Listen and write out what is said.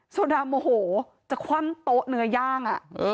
โซดาโมโหจะคว่ำโต๊ะเนื้อย่าง